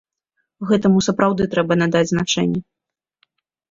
Гэтаму сапраўды трэба надаць значэнне.